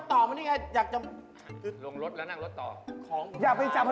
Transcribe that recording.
ผมอยากเป็นนักแสดงอะพี่อยาก